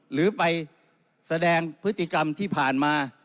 หรือไปแสดงพฤติกรรมที่ผ่านมา